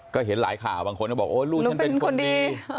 ก็เห็นหลายข่าวบางคนก็บอกโอ๊ยลูกฉันเป็นคนดี